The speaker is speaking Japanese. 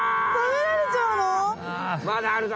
えまだあるぞ。